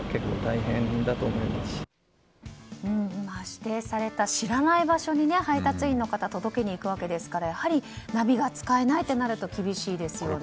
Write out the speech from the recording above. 指定された知らない場所に配達員の方は届けに行くわけですからやはりナビが使えないとなると厳しいですよね。